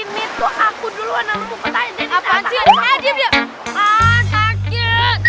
ini tuh aku duluan yang nunggu pertanyaan